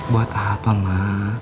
buat apa ma